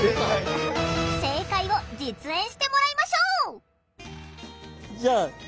正解を実演してもらいましょう。